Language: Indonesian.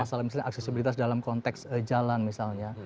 masalah misalnya aksesibilitas dalam konteks jalan misalnya